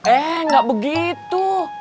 eh enggak begitu